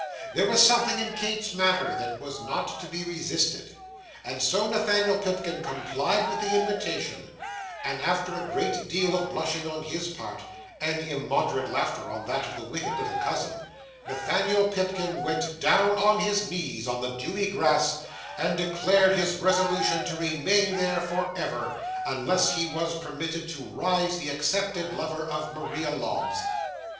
There was something in Kate's manner that was not to be resisted, and so Nathaniel Pipkin complied with the invitation; and after a great deal of blushing on his part, and immoderate laughter on that of the wicked little cousin, Nathaniel Pipkin went down on his knees on the dewy grass, and declared his resolution to remain there for ever, unless he were permitted to rise the accepted lover of Maria Lobbs.